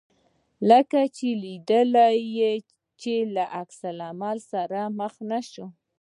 کله چې یې ولیدل چې له عکس العمل سره مخ نه شو.